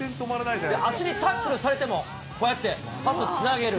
足にタックルされてもこうやってパスつなげる。